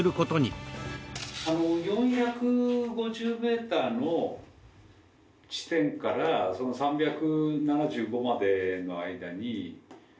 ４５０メーターの地点からその３７５までの間に。